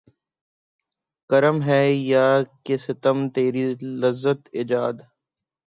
کرم ہے یا کہ ستم تیری لذت ایجاد